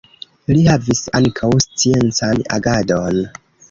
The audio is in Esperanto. Li havis ankaŭ sciencan agadon.